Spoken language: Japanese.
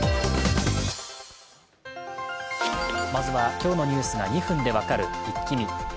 まずは、今日のニュースが２分で分かるイッキ見。